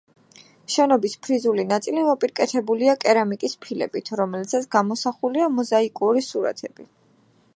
შენობის ფრიზული ნაწილი მოპირკეთებულია კერამიკის ფილებით, რომელზეც გამოსახულია მოზაიკური სურათები.